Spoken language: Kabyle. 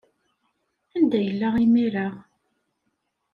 Anda yella imir-a?